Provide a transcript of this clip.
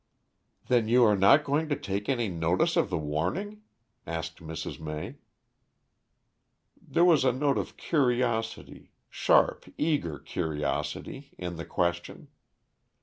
"Then you are not going to take any notice of the warning?" asked Mrs. May. There was a note of curiosity, sharp, eager curiosity, in the question.